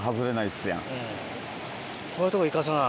こういうとこ生かさな。